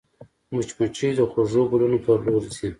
مچمچۍ د خوږو ګلونو پر لور ځي